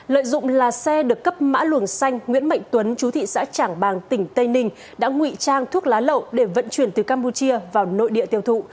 lợi dụng là xe được cấp mã luồng xanh nguyễn mạnh tuấn chú thị xã trảng bàng tỉnh tây ninh đã ngụy trang thuốc lá lậu để vận chuyển từ campuchia vào nội địa tiêu thụ